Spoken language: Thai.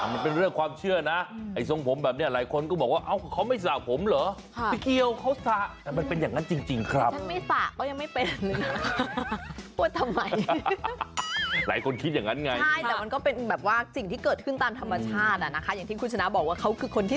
ที่ถูกเลือกนั่นแหละ